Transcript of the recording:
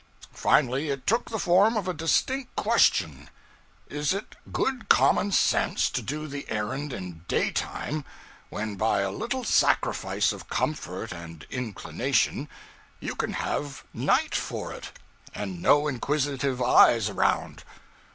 Finally, it took the form of a distinct question: is it good common sense to do the errand in daytime, when, by a little sacrifice of comfort and inclination, you can have night for it, and no inquisitive eyes around.